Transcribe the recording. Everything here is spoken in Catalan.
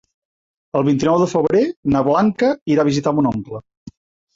El vint-i-nou de febrer na Blanca irà a visitar mon oncle.